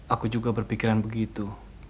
aku juga berpikiran begitu